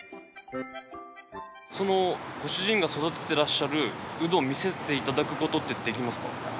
そのご主人が育ててらっしゃるうどを見せていただくことってできますか？